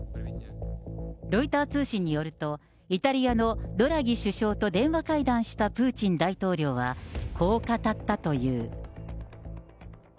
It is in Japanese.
ロイター通信によると、イタリアのドラギ首相と電話会談したプーチン大統領は、こう語ったという。